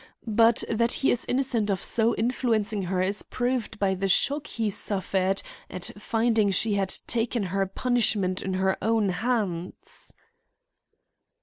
But that he is innocent of so influencing her is proved by the shock he suffered at finding she had taken her punishment into her own hands."